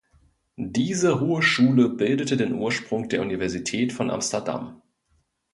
Diese Hohe Schule bildete den Ursprung der Universität von Amsterdam.